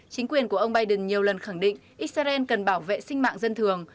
chính quyền của ông biden nhiều lần khẳng định israel cần bảo vệ sinh mạng dân thường